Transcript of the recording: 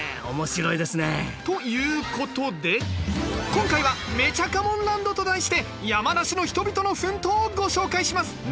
面白いですねということで今回は「めちゃかもんランド」と題して山梨の人々の奮闘をご紹介します